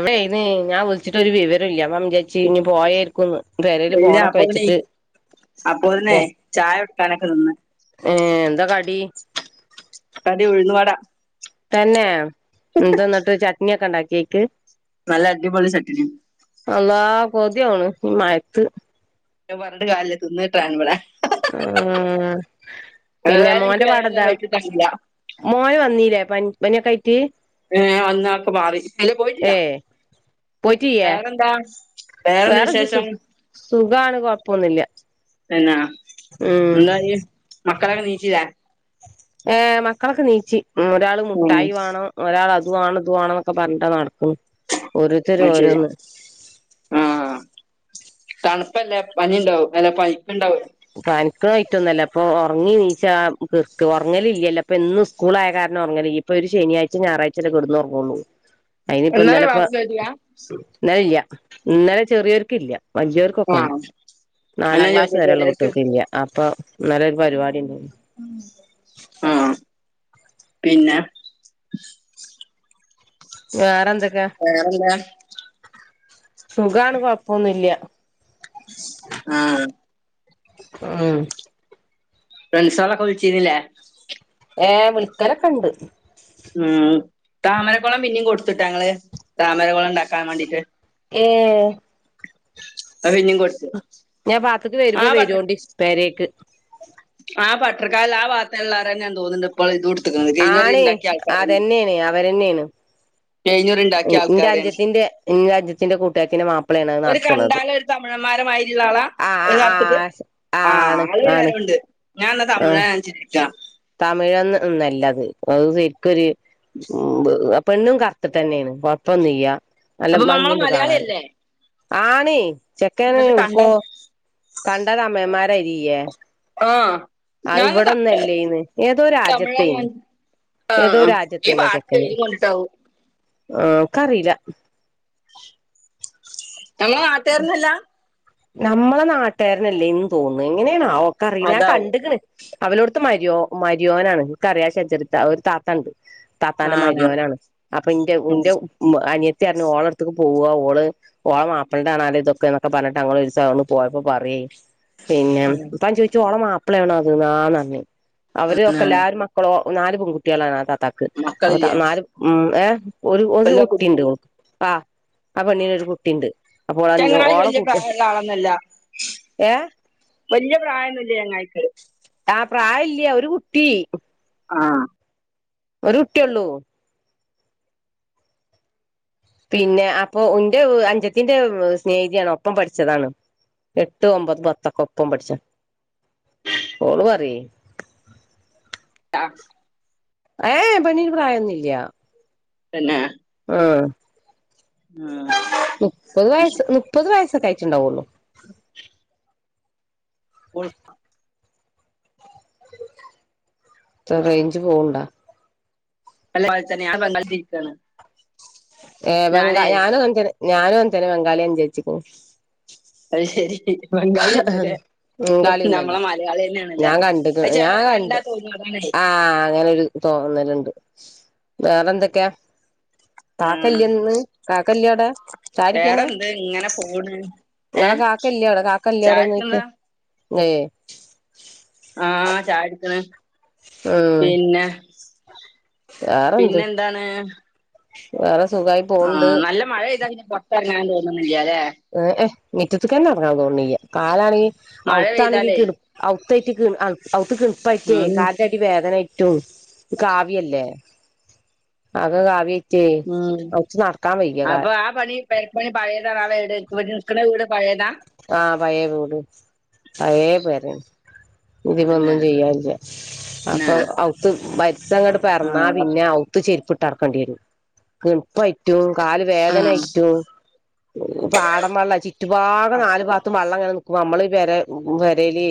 അന്ന് ഞാൻ വിളിച്ചിട്ടൊരു വിവരം ഇല്ല അമ്മം ചേച്ചി ഇനി പോയരിക്കുംന്ന് പെരേല് പോണൊക്കെ വെച്ചിട്ട് അപ്പോതിന്നെ ചായ വക്കാനൊക്കെ നിന്ന് ഏഹ് എന്താ കടി കടി ഉഴുന്ന് വട തന്നെ എന്തന്നിട്ട് ചട്നിയൊക്കെ ഉണ്ടാക്കിയേക്ക് നല്ല അടി പൊളി ചട്ട്ണി കൊതിയാവണ്‌ ഈ മഴത്ത് ഞ്ഞിപ്പം പറഞ്ഞിട്ട് കാര്യല്ല തിന്നാട്ട ഞാനിവിടെ ആ പിന്നെ ഏതായാലും എനിക്ക് മോന്റെ വരാനുള്ള പാടെന്താ വഴിക്ക് തന്നില്ല മോൻ വന്നീല്ലേ പനി പനൊക്കെ ആയിട്ട് ഏ അന്നക്കെ മാറി അല്ല പോയിട്ടില്ല ഏ വേറെന്താ വേറെന്ത് വേറെത് സു വിശേഷം സുഖാണ് കൊഴപ്പൊന്നില്ല എന്നാ എന്താ മക്കളൊക്കെ എനീച്ചില്ലേ ഏ മക്കളൊക്കെ എനീച്ചു ഒരാള് ഉം മുട്ടായി വേണം ഒരാള് അതു വേണം ഇതവാണെന്നൊക്കെ പറഞ്ഞിട്ടാണ്‌ നട ഉം ഓരോത്തര് അത് ശരി ഓരോന്ന് ആ തണുപ്പല്ലേ പനി ഉണ്ടാവും അല്ല പയ്പ്പ് ഉണ്ടാവും പനിക്കായിട്ടൊന്നല്ല. അപ്പൊ ഒറങ്ങി എനിച്ചാ കിറുക്ക് ഒറങ്ങലില്ലല്ലോ അപ്പൊ ഇന്നും സ്കൂള് ആയ കാര ണം ഉറങ്ങെണെങ്കി ഇപ്പൊ ഒരു ശനിയാഴ്ച ഞായറാഴ്ച അല്ലേ കിടന്ന് ഉറങ്ങൊള്ളൂ. അയിനിപ്പ ഇന്നലെ ഇന്നല ഇപ്പ ക്ലാസ്സിന് പോയിട്ടില്ല ഇന്നലെ ഇല്ല. ഇന്നലെ ചെറിയവർക്ക് ഇല്ല. വല്ലിയവർക്കൊക്ക ആ ആയി അതാ നാലാം ഞാൻ ക്ലാസ് ചോദിച്ചെ വരെയുള്ള കു ചെറിയോർക്ക് ട്ട്യേൾക്കില്ല. അപ്പൊ ഇന്നലെ ഒരു പരിപാടിണ്ട്. ആ പിന്നെ വേറെന്ത് വേറെന്തൊ സുഖാണ് കൊഴപ്പൊന്നുല്ല. ആ ഉം ഫ്രണ്ട്സോളൊക്കെ വിളിച്ചീനില്ലേ. ഏ വിളിക്കലൊക്കെണ്ട്. ഉം താമരക്കുളം പിന്നെയും കൊടുത്തിട്ടാ ങ്ങള് താമരക്കുളം ഉണ്ടാക്കാൻ വേണ്ടീട്ട്. ഏ അത് പിന്നേം കൊടുത്ത് ഞാൻ പാത്ത്ക്ക് വരുമ്പോ വരുവോണ്ടി പെരേക്ക് ആ പട്ടരക്കാലുള്ള ആ ഭാത്തുള്ളവരന്നെയാന്ന് തോന്നുന്നുണ്ട്. ഇപ്പോൾ ഇത് കൊടുത്തിരിക്കുന്നത് കഴിഞ്ഞൂറി ആണ് ഉണ്ടാക്കിയ ആൾക്കാരെന്നെ അതെന്നെയാണ് അവരെന്നെയാണ്. കയിഞ്ഞിരി ഉണ്ടാക്കിയ ആൾക്കാര് ഇന്റെ അഞ്ചത്തിന്റെ കൂട്ടുകാരത്തിന്റെ മാപ്പിളയാണ് അത് ഒരേ നടത്തണത് കണ്ടാല് ഒരു തമിഴന്മാര് ള്ള മാരിയുള്ള ആളാ ആഹ് ഒരു കറുത്തിട്ട്. ആഹ് ആഹ് ആണ് ആണ് തമിഴനൊന്നും ഒന്നും അല്ലത്. അത് ശരിക്കൊര് പെണ്ണും കറുത്തിട്ടെന്നേണ്. കൊഴപ്പ ഒന്നും ഇയ്യ. നല്ല അപ്പൊ നമ്മളെ മങ്ങീണ്ട് മലയാളി കാണാന്. അല്ലേ ആണ് ചെക്കേണ് എന്നിട്ട് കണ്ട ഉടുക്കോ കണ്ടാ തമിഴ്മാരെ അരീയ്യേ. ആ ആ ഞാൻ ഇവിടൊന്നല്ലേന്ന് ഏതോ തമിഴാ രാജ്യത്തേന് ഞാൻ ആ ഏതോ ആ. ഈ രാജ്യത്തേന്ന പാട്ട് ചെക്കന് എഴുതി കൊണ്ടിട്ടാവും ഓക്കറിയീല. ഞമ്മ നാട്ടുകാരനല്ല. ഞമ്മളെ നാട്ടുകാരനല്ലേന്ന് തോന്നുന്നു. ഇങ്ങനെയാണാവോ ഓക്കറിയില്ല ഞാൻ അതാവും കണ്ടേക്കണ്. അവലോടുത്ത് മരിയോ മരിയോനാണ് നിനക്ക്റിയാസചരിത്ത ഒരു താത്തണ്ട് തത്താന ആഹ് മരിയോനാണ് അപ്പൊ ഇന്റെ ഉം ഉന്റെ ഉമ്മ് അനിയ ത്തിറഞ്ഞ് ഓളടുത്തക്ക് പോവ ഓള് ഓളമാ ഫ്രണ്ടാണാലേ ഇതൊക്കെ എന്നൊക്കെ പറഞ്ഞിട്ട് ഞങ്ങളൊരീസം ഒന്നു പോയപ്പോ പറേയായി പിന്നെ ഉം ഇപ്പാ ഞാൻചോയ്ച്ചു ഓളെ മാ പ്പളേണോ അത് ആ ന്നറിഞ്ഞു അവരൊക്കെ ആഹ് എല്ലാരും മക്കളോ നാല് പെൺകുട്ടികളാണ് അതാ ത്താക്ക് അപ്പൊ മക്കളില്ലേ നാല് ഉം ഏ ഒരു ഒരു വല്ല കു കുട്ടിയുണ്ട് ഓൽക്ക് ആ ആ പെണ്ണിന് ഒരു കുട്ടീണ്ട്. ചങ്ങായി വല്യ പ്രായോന്നൊള്ള ആളൊന്നല്ല. ഏഹ് വല്യ പ്രായൊന്നൂല്ല ചങ്ങായീക്ക് ആ പ്രായയില്ല. ഒരു കുട്ടി ആ ഒരു കുട്ടിയൊള്ളൂ. പിന്നെ അപ്പൊ ഉന്റെ അനുജത്തീൻ്റെ സ്നേഹിതയാണ് ഒപ്പം പഠിച്ചതാണ്. എട്ട് ഒമ്പത് പത്തൊക്കെ ഒപ്പം പഠിച്ച ഓള് പറെയ് അ ഏ പെണ്ണിന് പ്രായൊന്നും ഇല്ല. തന്നെ ആ ആഹ് മുപ്പത് വയസ് മുപ്പത് വയസ്സൊക്കെ അയിട്ടുണ്ടാവുള്ളു [unintelligible] എത്ര റേഞ്ച് പോവണ്ടാ അത്‌ പോലെ തന്നെ ഏഹ് ബംഗാ ഞാനേ ഞാനും എ ഞാനും എനും ബംഗാളിയന്ന് ചോച്ചിക്ക അത് ശരി ബംഗാളില്ലല്ലേ ബംഗാളി ഒന്നല്ല നമ്മളെ മലയാളി തന്നെയണല്ലേ ആ ചിലരെ കണ്ടാ തോന്നുല്ല അതാ ആഹ് അങ്ങനെരു തോന്നലുണ്ട് വേറെ എന്തൊക്കെയാ ആഹ് കാക്കല്യാന്ന് കാക്കല്യാടാ ചാടിക്കന വേറെന്ത് ഇങ്ങനെ പോണ് ങ്ങളെ ഏഹ് കാക്ക ഇല്ല അവിടെ കാക്ക ചായ കുടിക്കണതാ [unintelligible] ഏയ് ആഹ് ചായക്കുടിക്കണ ഉം പിന്നെ വേറെന്ത് പിന്നെ എന്താണ് വേറെ സുഖായി പോണ്ട് ആഹ് നല്ല മഴ പെയ്താ പുറത്ത് ഇറങ്ങാൻ തോന്നുന്നില്ല അല്ലെ ഏഹ് മിറ്റത്തക്കന്നെ ഇറങ്ങാൻ തോന്നല്ല കാലാണെ മഴ ഔത്താണെങ്കി പെയ്താലേ കി ഔത്തായിട്ട് ഔത്ത് കിണുപ്പാ യിട്ട് ഉം കാലാന്റെ അടി വേദനാ ട്ടു കാവ്യല്ലേ ആക കാവ്യ ച്ചേ ഉം ഔത്ത് നടക്കാൻ വയ്യ ക അപ്പൊ [unintelligible] ഇവിടെ നിൽക്കണ വീട് പഴേതാ ആഹ് പയേ വീട് പയേ പേരേണ് പിന്നെ ഇതിനൊന്നും ചെയ്യാല്ല പിന്നെ അപ്പൊ ഔത്ത് ബ ര്‌സം ങ്ങട്ട് ആ പെറന്നാ പിന്നെ ഔത്ത് ചെരിപ്പിട്ട് നടക്കണ്ടെരും കിണുപ്പായിറ്റും കാല് ആ വേദനായിറ്റും പാടം വള്ളം ചുറ്റുഭാഗം നല് ഭാഗത്തും വെള്ളംങ്ങനെ നി ക്കുവാ നമ്മള് പേ പേരേല്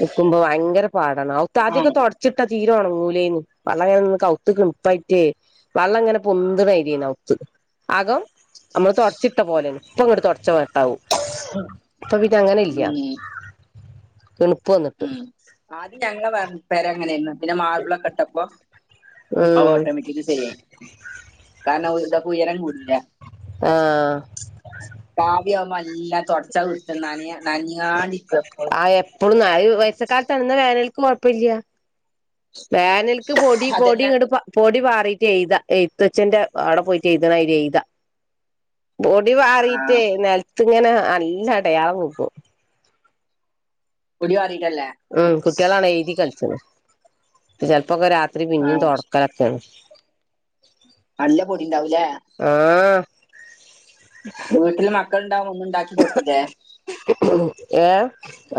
നിൽക്കുമ്പോ ഭയങ്കര പാടാണ് ഔത്ത് ആ ആദ്യംക്കേ തെടച്ച്ട്ടാ തീരേ ഉണങ്ങൂലേന്ന് വെള്ളംങ്ങനെ നിന്ന് ഔത്ത് കിണപ്പായിട്ടേ വള്ളം ഇങ്ങനെ പൊന്ത് കേരേനി ഔത്ത് അകം നമ്മള് തൊടച്ചിട്ട പോലെയാണ് ഇപ്പ ങ്ങട് തൊട്ച്ചപോ ണ്ടാവും പ്പൊ പിന്നേ അങ്ങനെ ഇല്ല ഉം വന്നിട്ട് ഉം ആദ്യ ഞങ്ങ വ പേരെ അങ്ങനെയന്ന് പിന്നെ മാർബിളൊക്കെ ഇട്ടപ്പോ ഉം ഓട്ടോമേറ്റിക് ശരിയായി കാരണം ഇത് പോ ഉയരം കുടിയില്ലേ ആഹ് കാവ്യ ആവുമ്പോ എല്ലാം തുടച്ചാ വൃത്തിയാ നന നനയാണ്ടിരിക്കും എപ്പഴും ഇപ്പോഴും വയസ്സക്കാല താ ണ് വേനൽക്ക് കുഴപ്പല്ല വേനൽക്ക് പൊടി പൊടി അതന്നെ ഇങ്ങട്ട്‌പാ പൊടി പാ റിട്ട് എഴുത എഴുത്തച്ഛന്റെ അവിടെ പോയിട്ട് എഴുതണാതിരി എഴ്താ പൊടി ആ പാറിട്ടേ നിലത്ത്ഇങ്ങനെ നല്ല അടയാളം കിട്ടും പൊടി പാറി ഉം കുട്ടിയാളാണ് എഴുതി കളിച്ച് ണ് ചെലപ്പോക്കെ രാ രാത്രി പിന്നെ ആ തൊടക്കലൊക്കെണ് നല്ല പൊടി ഉണ്ടാവുംല്ലേ ആഹ് വീട്ടില് മക്കള്ണ്ടാവുപ്പോ ഒന്ന്ണ്ടാക്കി കൊട്ക്കുല്ലേ ഏഹ്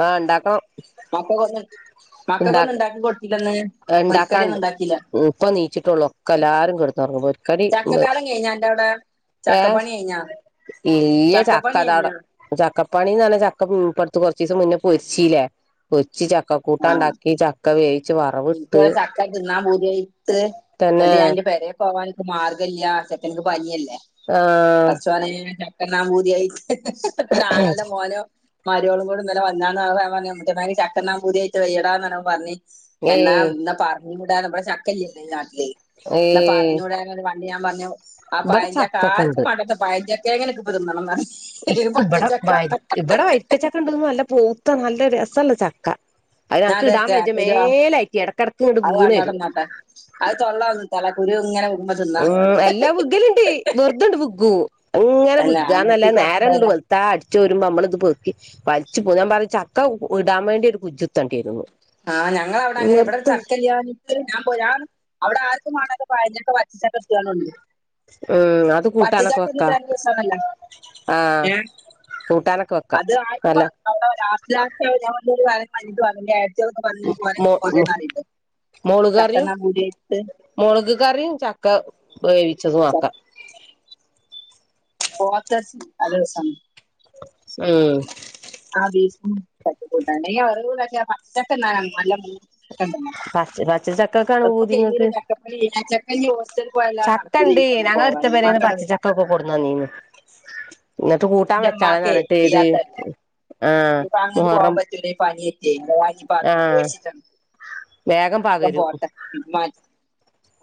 ആഹ് ഉണ്ടാക്കണം മക്കക്ക് ഒന്ന് മക്കക്ക് ഒന്നുംണ്ടാക്കി കൊ ഇണ്ടാക്കാണ്ട് ഇപ്പ നീച്ചിട്ടെള്ളൂ ഒക്കെ എല്ലാരും കിടന്നുറങ്ങ പൊരിക്കടി [unintelligible] അന്റെ ടെ ഏഹ് ഇല്ല ചക്കപ്പണി ചക്ക താടെ കഴിഞ്ഞ ചക്കപ്പണിന്ന് പറഞ്ഞാ ചക്ക ഉംപ്പട്ത്ത് കൊറ്ച്ചീസം മുന്നേ പൊരിച്ചില്ലെ പൊരിച്ച് ചക്കക്കൂട്ടാൻ ഉണ്ടാക്കി ചക്ക വേവിച്ച് വറവ് ഇവിടെ ചക്ക തിന്നാൻ പൂതിയായിട്ട് തന്നെ എന്നിട്ട് ഞാനെന്റെ പെരെ പോവാ ഞ്ഞിട്ട് മാർഗം ഇല്ലാതെ ചെക്കനിക്ക് പനിയല്ലേ ആഹ് പടച്ചോനെ ചക്ക തിന്നാൻ പൂതിയായിട്ട് ന്റെ ആങ്ങൾന്റെ മോനോ മ രോളും കൂടി ഇന്നലെ വന്നാന്ന് ഞാൻ പറഞ്ഞു ഉമ്മുട്ടി അമ്മായിക്ക് ചക്ക തിന്നാൻ പൂതിയായിട്ട് വയ്യടാന്ന് പറഞ്ഞപ്പോ പറഞ്ഞ് എന്നാ ഏയ് ഇന്ന് പറഞ്ഞ് വിടാം നമ്മടെ ചക്കഇല്ലല്ലോ ഈ നാട്ടില് എന്നാ ഏയ് പറഞ്ഞൂടാര്ന്നോ വ ഞാൻ പറഞ്ഞു ആ ഇവിടെ പഴഞ്ചക്ക ചക്കൊക്കെ ആർക്കും ഉണ്ട് വേണ്ടാത്ത പഴഞ്ചാക്കേലും ഇന്ക്ക് ഇപ്പോ തിന്നണന്ന്റഞ്ഞു ഇക്ക് ഇബടെ വരിക്ക ഇവിടെ വരിക്ക ചക്ക ഉണ്ട്ന്ന് നല്ല പൂത്ത നല്ല രസള്ള ചക്ക അതിന് ഞാൻ ഞങ്ങക്ക് ഇടാൻ തരട്ടെ ബെജ്ജ തരുവാ മേലെആയിട്ടെ ഇടക്കിടക്ക്ന്നട്ട് അത് വീണ് വരും ഒരു ഇങ്ങനെ കുടുംബ തിന്നാ മ് എല്ലാ വ്ഗ്ഗലിണ്ട് വെറുതണ്ട് വ്ഗ്ഗു ഇങ്ങനെ അല്ല വിഗാന്നല്ല നെട്ടിക്ക് ഓർത്തിട്ടല്ല നേരണ്ട് വെള്ത്താ അടിച്ചു വരുമ്പോ നമ്മള് ഇത് പെറുക്കി വലിച്ച് പോന്നു ഞാൻ പറഞ്ഞ ച ക്ക ഉ ഇടാൻ വേണ്ടി ഒരു കുജ്ജ്ത്ത ണ്ടിയെരുന്ന് ആ ഞങ്ങളടെ അവിടെ അങ്ങനെയാ ഇവിടെ ഒരു ചക്കഇല്ലാഞ്ഞിട്ട് ഞാൻ പോരാന്ന് അവിടെ ആർക്കും വേണ്ട പഴംചക്ക പച്ചചക്ക ഒത്തിരിയെണ്ണ മുണ്ട് ഉം അത് കൂട്ടാനൊക്കെ പച്ചചക്ക വെക്കാ തിന്നിട്ട് നല്ല രസമാണല്ലോ ആഹ് ഏ കൂട്ടാനൊക്കെ വെക്കാ അത് ആർക്കും നല്ല വേണ്ട അത് ലാസ്റ്റ് ലാസ്റ്റ് ആവുമ്പോ ഞാൻ പറഞ്ഞില്ലേ [unintelligible] കുട്ടികളെക്കെ പറഞ്ഞു ഇനി പോര് ഇനി പോകേണ്ട മുളക് കറിയും മുളക് കറിയും ചക്ക വേവി ച്ചതുവാക്കാം പോത്ത് ഇറച്ചി നല്ല രസമാണ് ഉം ആ ബീഫും തട്ടിക്കൂട്ടണേ അർവുകാര് പച്ച [unintelligible] നല്ല ബീഫ് രണ്ടെണ്ണോ പച്ച പച്ച ചക്കൊക്കാണ് എപ്പോ കഴിയുല്ലേ പൂതിങ്ങക്ക് ചക്കപ്പഴം ഈച്ച പിടിച്ച് ചക്ക ഉണ്ട് ഞങ്ങടെ പോവാൻ അടുത്ത പെ രന്ന് ഉമ്മാക്കടെ പച്ചച്ചക്ക എന്റെ ഒക്കെ കൊണ്ടുന്ന് തനീന്ന് ഇങ്ങക്ക് കൂട്ടാൻ വെച്ചാളന്ന് ഉമ്മാക്കേ പറഞ്ഞിട്ട് ഇത് ചെയ്യാത്തല്ലേ ആ മുഹറം മൂവാഞ്ചി പാക്ക് ആഹ് മേടിച്ചിട്ട് വേഗം ഇപ്പം പകരും പോകാട്ടോ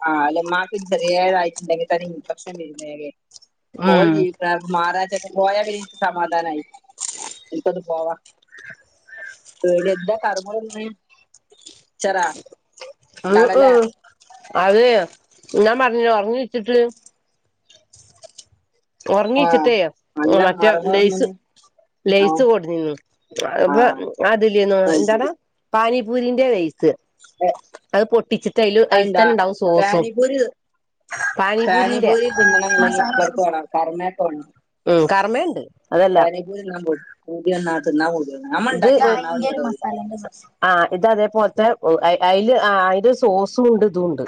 ആ അല്ലെ ഉമ്മാക്കൊരു ചെറിയതായിട്ടുണ്ടെങ്കിൽ തന്നെ ഇൻഫെക്ഷൻ വരുവല്ലേ പോയി ഉം ജീവി മാറാ ചക്ക പോലെ എനിക്ക് സമാധാനം ആയി ഒന്ന് പോവാ എന്താ കറമ്മുറതിന്നേ മിച്ചറാ മം മം അതെ ഞാൻ പറഞ്ഞില്ലേ ഒറങ്ങി വച്ചിട്ട് ആഹ് ഒറങ്ങീവെച്ചിട്ടേ നല്ല മറ്റേ മറുമുറു ലെയിസ് തിന്നണ് ആഹ് ലേയിസ് ഓടിഞ്ഞന്ന് അപ്പോ ആഹ് അതില്ന്ന അത് എന്താടാ ശരി പാനീ പൂരിന്റെ ലേസ് അത് പൊട്ടിച്ചിട്ട് അയില് അതിൽ അതെന്താ തന്നെ ഉണ്ടാവും സോസും പാനിപൂരി പാനിപൂരിന്റെ ബോറമ്മ പോണുണ്ട് ഉം കർമ്മേണ്ട് അതല്ല പാനിപ്പൂരിതിന്നാൻ പോയിട്ടുണ്ട് പൂകി നന്നാക്കുന്ന ഓഡിയോ നമ്മള് ഉണ്ടാക്കിയ നന്നാവില്ലടോ അത് അതാ എന്റെ സംശയം ആ ഇത് അതേപോലത്തെ ഓ അയില് അതിന്റെ സോസും ഉണ്ട് ഇതുമുണ്ട്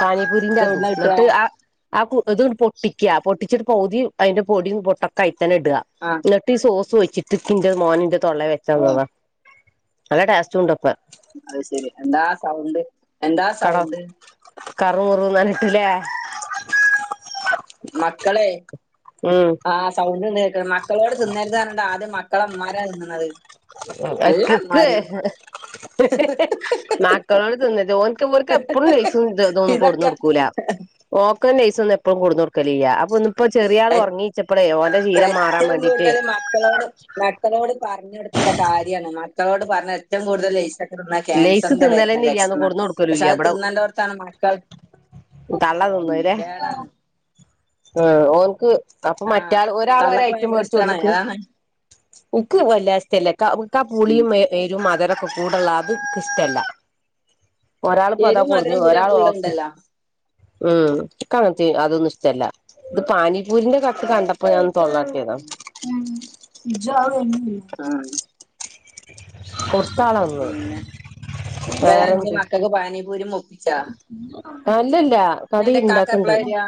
പാനി പൂരിന്റെ അതും ഇതെവിടുന്നാ കിട്ടാ എന്നിട്ട് അ ഇത് പൊട്ടിയ്ക്ക പൊട്ടി ഇച്ചി പൗതിയും അതിന്റെ പൊടിയും പൊട്ടക്കെഅതിൽ തന്നെ ഇടുക ആഹ് എന്നിട്ട് ഈ സോസ് വെച്ചിട്ട് ഇപ്പൊ ന്റെമോന് തൊള്ളേ വെച്ച് ഓ തന്നതാ നല്ല ടേസ്റ്റ് ഉണ്ട് ഇപ്പോ അത് ശെരി എന്താ സൗണ്ട് എന്താ സൗണ്ട് കറു മുറുന്ന് ല്ലേ മക്കളെ ഉം ആ സൗണ്ട്ഇങ്ങനെ കേക്കാം മക്കളോട് തിന്നരുതെണ്ടാ ആദ്യം മക്കള് ഉമ്മമാരാ തിന്നണത് നല്ല മക്കക്ക് ഇമ്മാര് ഹി ഹെ ഹ് മക്കളോട് തിന്നരുത് ഓർക്ക് എപ്പളും എപ്പളും ലയിസും ഇത് ഇതൊന്നും കൊണ്ടുന്ന് ഇതൊക്കെ കൊടുക്കൂല്ല ഓർക്ക് ലയിസ് ഒന്നും എപ്പഴും കൊണ്ടുന്ന് കൊടുക്കലില്ല അപ്പോ ഇന്ന് എ മാറാൻ ഏറ്റവും വേണ്ടീട്ട് കൂടുതല് മക്കളോട് മക്കളോട് പറഞ്ഞ് കൊടു ക്കേണ്ട കാര്യമാണ് മക്കളോട് പറഞ്ഞ ഏറ്റവും കൂടുതൽ ലയിസ് ന്ന ലേസ് ക്യാൻസറിന്റെ വരുന്ന തിന്നലന്നെ ഇല്ലാന്ന് ലക്ഷണം കൊടുന്ന് പക്ഷെ കൊടുക്കലുല്ല അത് തിന്നണ്ടോട്ത്താണ് മക്കൾ ഉം തള്ളതിന്നുല്ലേ കേടാണ് ആ ഓന്ക്ക് അപ്പൊ ആഹ് മറ്റാൾ ഒരാൾ തള്ളക്ക് ഒരഐറ്റം ഭയങ്കര ഇഷ്ടാണ് മേടിച്ചുട്ന്ന്ക്ക്. അതാണ് ഉക്ക് വെല്ലാതെഷ്ടല്ല്യ ഇക്ക് ഇക്കാ ഉം പുളിയും ഏ എ രും മധരൊക്കെ കൂടുള്ള അതുംകിഷ്ടല്ല. ഒരാൾപ്പതാ എരും കൊടുന്ന് മധുരം ഒരാൾ പുളിയൊക്കെ ഓക്കെ ഉള്ളതുണ്ടല്ലോ ഉം ഇക്കങ്ങത്തി അതൊന്നും ഇഷ്ടല്ല. ഇത് പാനിപൂരിന്റെ കത്ത് കണ്ടപ്പോ ഞാൻ തൊള്ളാട്ടിയതാ ഉം ആഹ് കൊറച്ചാളൊള്ളൂ പിന്നെ വന്നത് ഇപ്പതാന്ന് വേറെന്ത് മക്കൾക്ക് പാനീപൂരിം ഒപ്പിച്ചാ അല്ലല്ല ഇനി കടി അന്റെ ഇക്കാക്ക ഇണ്ടാക്ക്ണ്ട്. എപ്പളാ വരാ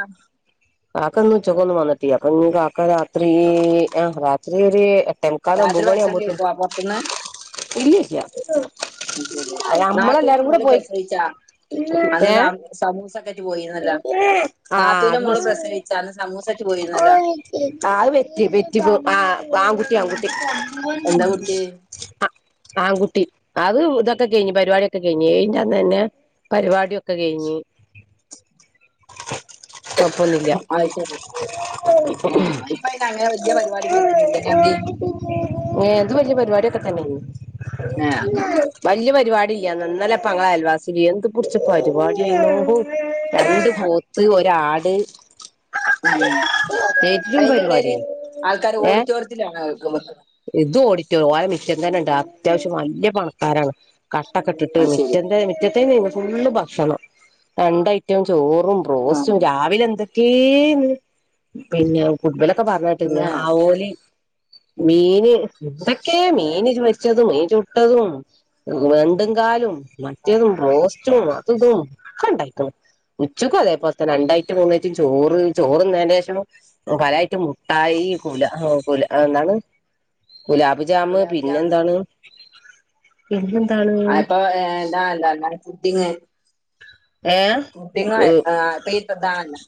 കാക്ക ഇന്ന് ഉച്ചക്കൊന്നും വന്നട്ടീലാ അപ്പൊന്ന്‌ കാക്ക രാത്രി ആ രാത്രി ഒര് എട്ടേമുക്കാൽ രാത്രി ഒമ്പതമണി ഭക്ഷണം ആവുമ്പോത്തിനും കഴിക്കോ പൊറത്ത്ന്ന് ഇല്ലല്ല അതെല്ലേ നാത്തൂന്റെ നമ്മളെല്ലാരും കൂടെ മോള് പോയി. പ്രസവിച്ചാ അന്ന് സ ഏഹ് സമൂസൊക്കെറ്റ് പോയിന്നല്ലോ ആഹ് നാത്തൂന്റെ അത് മോള് പ്രസ പ്രസവിച്ചാ അന്ന് സമൂസേറ്റ് പോയിന്നല്ലോ ആ അത് പെറ്റി പെറ്റി ആ ആൺകുട്ടി ആൺകുട്ടി എന്താ കുട്ടി ആ ആൺകുട്ടി അത് ഇതൊക്കെ കഴിഞ്ഞ് പരിപാടിയൊക്കെ കഴിഞ്ഞ് ഏഴിന്റനന്നെ പരിപാടിയൊക്കെ കഴിഞ്ഞ്. കുഴപ്പൊന്നില്ല അത് ശരി ആഹ് ഇപ്പ അയിന് അങ്ങനെ വല്യ പരിപാടി കേൾക്കണില്ലല്ലേ എവിടിം ഏ എന്ത വലിയ പരിപാടിയക്ക ഏഹ് വല്യ പരിപാടി ഇയ്യ ന്നലെ പ്പങ്ങളെ അയൽവാസീല് എന്ത് പിടിച്ച പരിപാടിയേരുന്നു രണ്ട് പോത്ത് ഒരാട് ഉം പെരും അയിന്റെ എടേല് പരിപാടിയേരുന്നു, ആൾക്കാര് ഏ ഓഡിറ്റോറിയത്തിലാണ് വെക്കുന്നത് ഇത് ഓഡിറ്റോഒലെ മിറ്റം തന്നെണ്ട് അത്യാവശ്യം വല്ല്യ പണക്കാരാണ്. കട്ടൊക്കെ ഇട്ടിട്ട് അത് ശരി മിറ്റം തെ മിറ്റത്തന്നെരുന്നു ഫുള്ള് ഭക്ഷണം രണ്ട ഐറ്റം ചോറും ആഹ് ബ്രോസ്റ്റും രാവിലെ എന്ത് ക്കേന്ന് പിന്നെ ഫുട്ബലൊക്കെ പറഞ്ഞേട്ടിരിന്നു പിന്നെ ആവോലി മീന് ന്തൊക്കേ മീന് പൊരിച്ചതും മീൻ ചുട്ടതും വെന്തുംകാലും ആ, മറ്റതും ബ്രോസ്റ്റ് റ്റും അതുഇതും ഒക്കെണ്ടായിക്ക്ണ് ഉച്ചക്കും അതേപലതന്നെ രണ്ടയിറ്റം മൂന്നായിറ്റം ചോറ് ചോറ്ന്നെന്റെഷം പലയിറ്റം മുട്ടായി ഈ കുല ഏ കുല ആ എന്താണ് ഗുലാബ് ജാമ് ഗുലാബ് ജാമു പിന്നെന്താണ് പിന്നെന്താണ് ആ ഇപ്പൊ ഏ താണ്ല്ല എ ഫുട്ടിങ് ഏഹ് കുട്ടിങ്ങൊ ആ ഇപ്പത്തതാണല്ലോ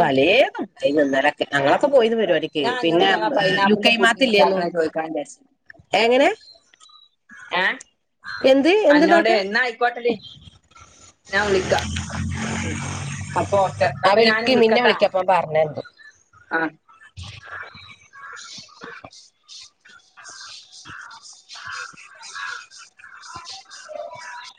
പലയ പട്ടേര്ന്നു ഇന്നലൊക്കെ ഞങ്ങളോ ഒക്കെ പോയിരുന്നു പരിപാടിക്കയ് ഞാൻ അന്നോട് പിന്നെ നാളെ പൈനാപ്പിളിന്റെ പുഡിങ് ലുക്കൈമാത്തില്ലേന്നു ഉണ്ടാക്കണ ചോദിക്കാൻ എങ്ങനേ ഏഹ് അന്നോട് എന്തുണ്ടാക്കാ എന്നാ ആയിക്കോട്ടടി. ഞാൻ വിളിക്കാ ഉം അപ്പൊ ഓക്കെ അപ്പൊ ഞാൻ കിപ്പിന്നെ വിളിക്കപ്പം പറഞ്ഞെരണ്ട്. ആ